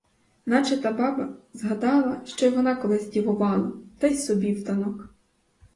Наче та баба: згадала, що й вона колись дівувала, та й собі в танок.